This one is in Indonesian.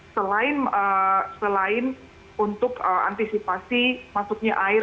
selain untuk antisipasi masuknya air